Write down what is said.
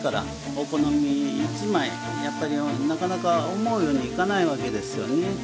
お好み一枚やっぱりなかなか思うようにはいかないわけですよね。